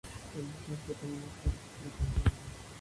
La decisión fue tomada por el propio cantante.